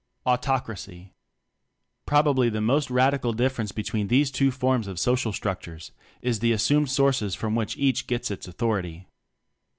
Autocracy. Probably the most radical difference between these two forms of social structures is the assumed sources from which each gets its authority.